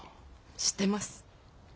知ってます。